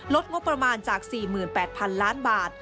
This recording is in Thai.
งบประมาณจาก๔๘๐๐๐ล้านบาท